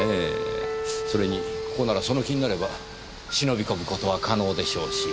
それにここならその気になれば忍び込む事は可能でしょうし。